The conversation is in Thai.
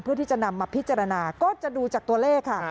เพื่อที่จะนำมาพิจารณาก็จะดูจากตัวเลขค่ะ